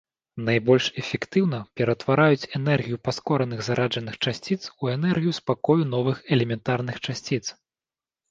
Найбольш эфектыўна пераўтвараюць энергію паскораных зараджаных часціц у энергію спакою новых элементарных часціц.